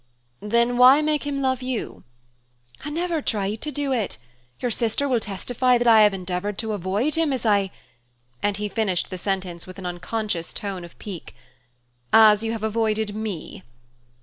"Then why make him love you?" "I never tried to do it. Your sister will testify that I have endeavored to avoid him as I " And he finished the sentence with an unconscious tone of pique, "As you have avoided me."